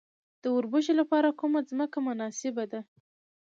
د وربشو لپاره کومه ځمکه مناسبه ده؟